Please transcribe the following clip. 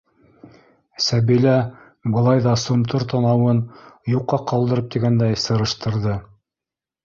Сәбилә былай ҙа сомтор танауын юҡҡа ҡалдырып тигәндәй сырыштырҙы: